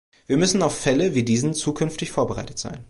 Wir müssen auf Fälle wie diesen zukünftig vorbereitet sein.